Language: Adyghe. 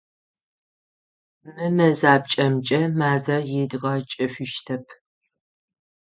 Мы мэзапкӏэмкӏэ мазэр идгъэкӏышъущтэп.